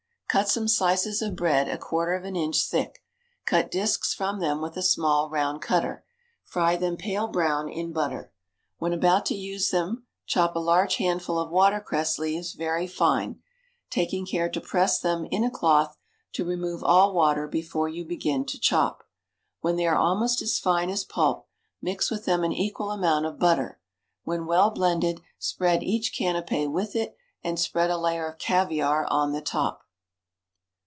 _ Cut some slices of bread a quarter of an inch thick; cut disks from them with a small round cutter; fry them pale brown in butter. When about to use them chop a large handful of water cress leaves very fine, taking care to press them in a cloth to remove all water before you begin to chop; when they are almost as fine as pulp, mix with them an equal amount of butter; when well blended, spread each canapé with it, and spread a layer of caviare on the top.